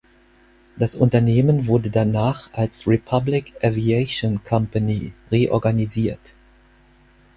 Das Unternehmen wurde danach als Republic Aviation Company reorganisiert.